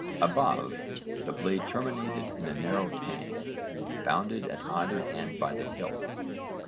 Above, the blade terminated in a narrow tang, bounded at either end by the hilts.